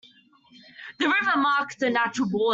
The river marked a natural border.